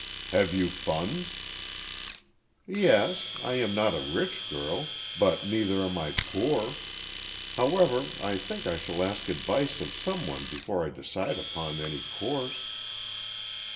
"Have you funds?" "Yes. I am not a rich girl—but, neither am I poor. However, I think I shall ask advice of some one before I decide upon any course."